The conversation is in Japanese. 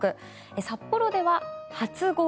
札幌では初氷。